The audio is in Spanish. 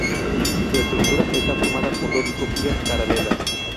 Su estructura está formada por dos crujías paralelas.